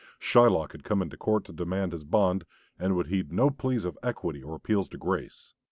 Shylock had come into court to demand his bond, and would heed no pleas of equity or appeals to grace.